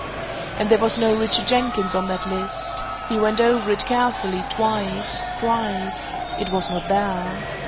And there was no Richard Jenkins on that list he went over it carefully twice, thrice. It was not there.